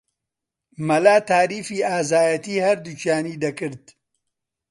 مەلا تاریفی ئازایەتیی هەردووکیانی دەکرد